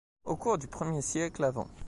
Au cours du Ier siècle av.